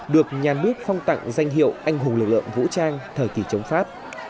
được nhà nước phong tặng danh hiệu anh hùng lực lượng vũ trang thời kỳ chống pháp